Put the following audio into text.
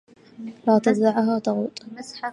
لا تدعها تقود.